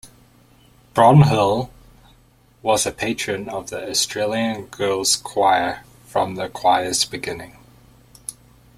Bronhill was a patron of the Australian Girls Choir from the choir's beginning.